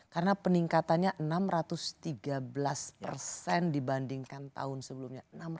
karena peningkatannya enam ratus tiga belas dibandingkan tahun sebelumnya